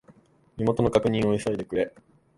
身元の確認を急いでくれ。